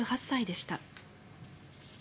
８８歳でした。